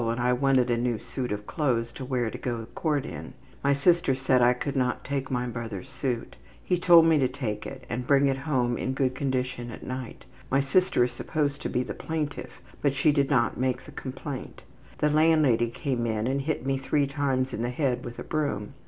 and I wanted a new suit of clothes to wear to go to court in. My sister said I could not take my brother's suit. He told me to take it and bring it home in good condition at night. My sister is supposed to be the plaintiff, but she did not make the complaint. The landlady came in and hit me three times in the head with a broom.